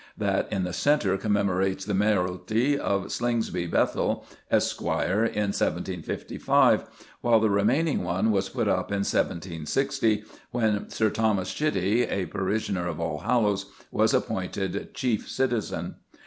That in the centre commemorates the mayoralty of Slingsby Bethel, Esq., in 1755, while the remaining one was put up in 1760 when Sir Thomas Chitty, a parishioner of Allhallows, was appointed chief citizen.